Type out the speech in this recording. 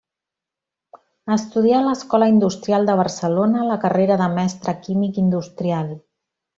Estudià a l'Escola Industrial de Barcelona la carrera de Mestre químic industrial.